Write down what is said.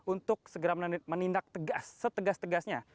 untuk segera menindak tegas setegas tegasnya